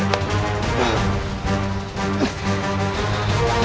aku tidak tahu